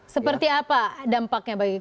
seperti apa dampaknya bagi